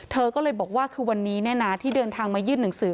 เธอก็เลยบอกว่าคือวันนี้ที่เดินทางมายื่นหนังสือ